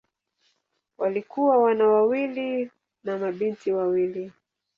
Walikuwa wana wawili na mabinti wawili.